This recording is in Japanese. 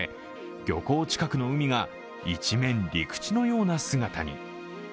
漁港近くの海が一面、陸地のような姿に。